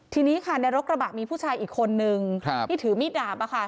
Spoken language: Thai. ทีนี้ค่ะในรถกระบะมีผู้ชายอีกคนนึงที่ถือมีดดาบ